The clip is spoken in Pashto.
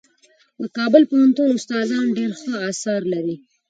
د کابل پوهنتون استادان ډېر ښه اثار لري.